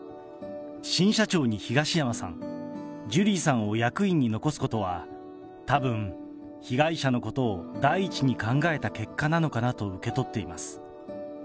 新社長に東山さん、ジュリーさんを役員に残すことは、たぶん、被害者のことを第一に考えた結果なのかなと受け取っています。